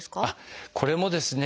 これもですね